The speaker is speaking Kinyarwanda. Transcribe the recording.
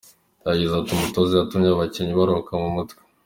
Yagize ati “Umutoza yatumye abakinnyi baruhuka mu mutwe.